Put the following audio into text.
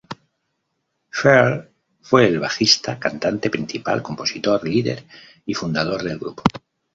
Phil fue el bajista, cantante principal, compositor, líder y fundador del grupo.